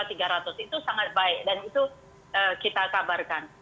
itu sangat baik dan itu kita kabarkan